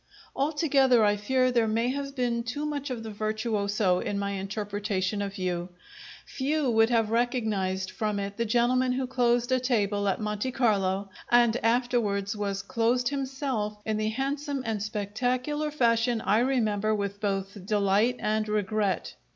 Altogether, I fear there may have been too much of the virtuoso in my interpretation of you; few would have recognized from it the gentleman who closed a table at Monte Carlo and afterwards was closed himself in the handsome and spectacular fashion I remember with both delight and regret.